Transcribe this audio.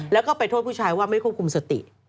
แล้วก็ไปโทษผู้ชายว่าไม่ควบคุมสติ